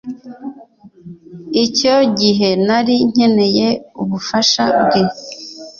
Icyo gihe nari nkeneye ubufasha bwe